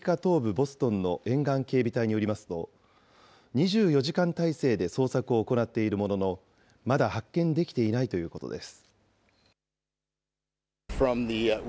ボストンの沿岸警備隊によりますと、２４時間態勢で捜索を行っているものの、まだ発見できていないということです。